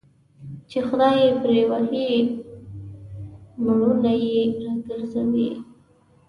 چي خداى يې پري وهي مړونه يې راگرځوي